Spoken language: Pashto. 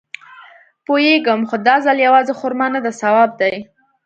پوېېږم خو دا ځل يوازې خرما نده ثواب دی.